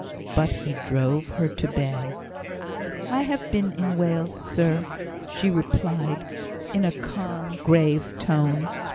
But he drove her to bay. "I have been in Wales, sir," she replied, in a calm, grave tone.